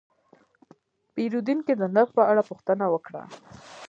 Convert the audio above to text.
پیرودونکی د نرخ په اړه پوښتنه وکړه.